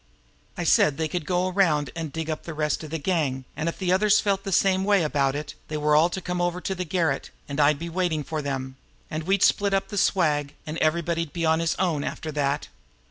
I said they could go around and dig up the rest of the gang, and if the others felt the same way about it, they were all to come over to the garret, and I'd be waiting for them, and we'd split up the swag, and everybody'd be on his own after that."